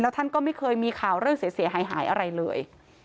ท่านก็ไม่เคยมีข่าวเรื่องเสียหายอะไรเลย